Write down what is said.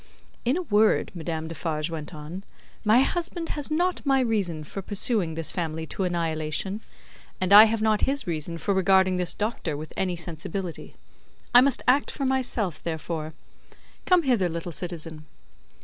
"In a word," Madame Defarge went on, "my husband has not my reason for pursuing this family to annihilation, and I have not his reason for regarding this Doctor with any sensibility. I must act for myself, therefore. Come hither, little citizen."